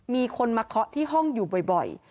มีคนมาเคาะที่ห้องอยู่บ่อย